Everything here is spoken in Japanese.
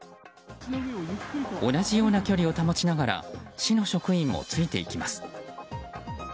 同じような距離を保ちながら市の職員もついていきます。